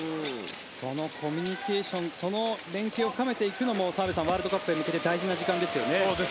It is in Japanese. そのコミュニケーション連係を深めていくのも澤部さんワールドカップへ向けて大事な時間ですね。